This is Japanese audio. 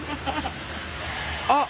あっ！